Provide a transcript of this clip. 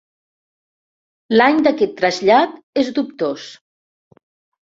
L'any d'aquest trasllat és dubtós.